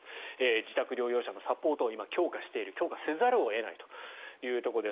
自宅療養者のサポートを今、強化している強化せざるを得ないというところです。